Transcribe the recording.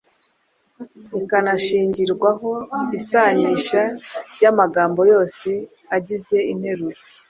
ikanashingirwaho isanisha ry’amagambo yose agize interuro.